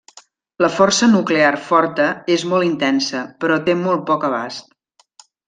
La força nuclear forta és molt intensa, però té molt poc abast.